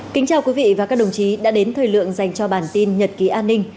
kính chào quý vị và các đồng chí đã đến thời lượng dành cho bản tin nhật ký an ninh